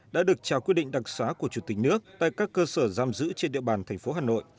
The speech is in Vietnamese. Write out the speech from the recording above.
đã được trả quyết định đặc xá của chủ tịch nước tại các cơ sở giam giữ trên địa bàn tp hà nội